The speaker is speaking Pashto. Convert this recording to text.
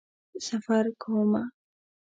سفر کومه